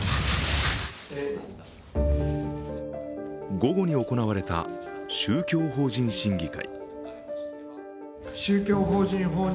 午後に行われた宗教法人審議会。